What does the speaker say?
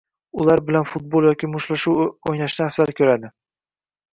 ular bilan futbol yoki mushtlashuv o‘ynashni afzal ko‘radi.